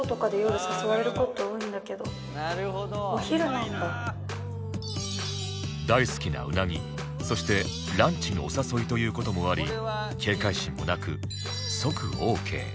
でも大好きな鰻そしてランチのお誘いという事もあり警戒心もなく即オーケー